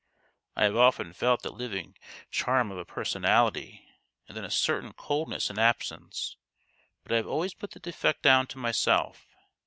I have often felt that living charm of a personality, and then a certain coldness in absence. But I have always put the defect down to myself.